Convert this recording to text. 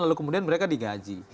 lalu kemudian mereka digaji